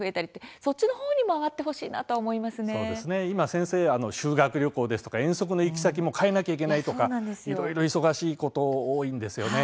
そっちのほうに今、先生、修学旅行とか遠足の行き先を変えないといけないとか、いろいろと忙しいことが多いですよね。